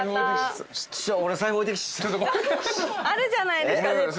あるじゃないですか絶対。